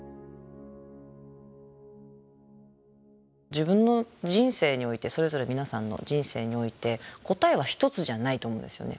自分の人生においてそれぞれ皆さんの人生において答えは一つじゃないと思うんですよね。